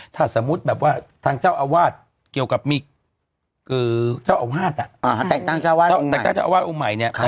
ถ้าสมมุติแบบว่าทางเจ้าอาวาสเกี่ยวกับมีเจ้าอาวาสแต่งตั้งเจ้าอาวาสองค์ใหม่เนี่ย